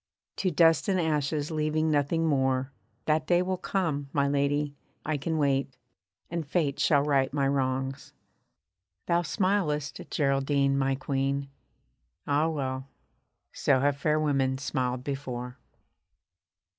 To dust and ashes, leaving nothing more, That day will come, my lady, I can wait; and Fate Shall right my wrongs. Thou smilest, Geraldine, my Queen! Ah well, so have fair women smiled before.